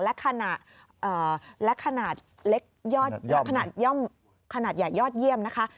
และขณะยอดเยี่ยมนะคะ